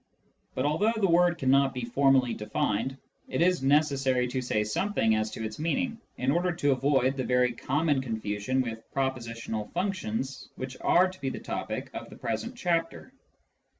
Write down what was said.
But although the word cannot be formally defined, it is necessary to say something as to its meaning, in order to avoid the very common confusion with " propositional functions," which are to be the topic of the present chapter.